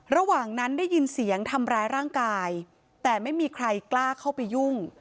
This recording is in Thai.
ระหว่างนั้นได้ยินเสียงทำร้ายร่างกายแต่ไม่มีใครกล้าเข้าไปยุ่ง